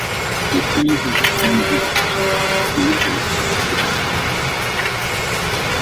Les premiers enregistrements du groupe sont parus sous le label Arcana de Michel Bernstein.